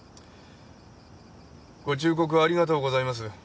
ご忠告ありがとうございます。